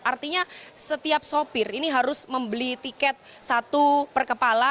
artinya setiap sopir ini harus membeli tiket satu per kepala